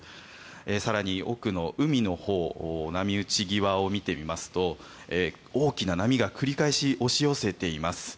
更に奥の海のほう波打ち際を見てみますと大きな波が繰り返し押し寄せています。